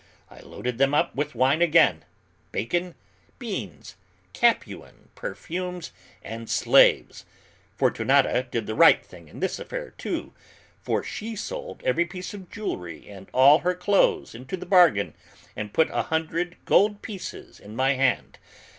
I loaded them up with wine again, bacon, beans, Capuan perfumes, and slaves: Fortunata did the right thing in this affair, too, for she sold every piece of jewelry and all her clothes into the bargain, and put a hundred gold pieces in my hand.